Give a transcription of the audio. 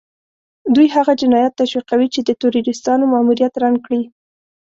دوی هغه جنايات تشويقوي چې د تروريستانو ماموريت رنګ لري.